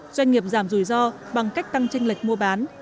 doanh nghiệp giảm rủi ro bằng cách tăng tranh lệch mua bán